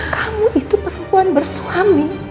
kamu itu perempuan bersuami